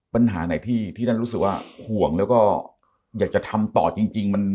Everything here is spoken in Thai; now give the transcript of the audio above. ปัญหาไหนที่นั่นรู้สึกว่าห่วงแล้วก็อยากจะทำต่อจริง